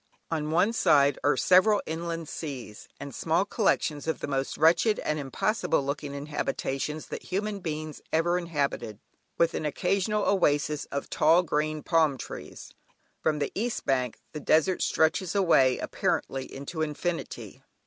On one side are several inland seas, and small collections of the most wretched and impossible looking habitations that human beings ever inhabited, with an occasional oasis of tall green palm trees. From the east bank the desert stretches away apparently into infinity.